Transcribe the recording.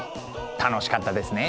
楽しかったですね。